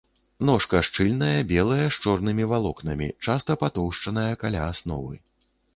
Ножка шчыльная, белая з чорнымі валокнамі, часта патоўшчаная каля асновы.